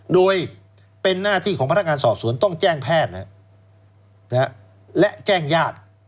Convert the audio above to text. โดยเป็นหน้าที่ของพนักงานสอบสวนต้องแจ้งแพทย์และแจ้งญาติ